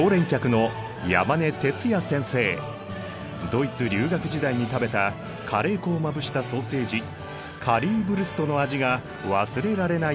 ドイツ留学時代に食べたカレー粉をまぶしたソーセージカリーヴルストの味が忘れられないそう。